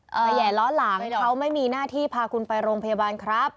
ขยายล้อหลังเขาไม่มีหน้าที่พาคุณไปโรงพยาบาลครับ